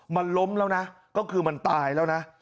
มันล้มแล้วนะก็คือมันตายแล้วนะ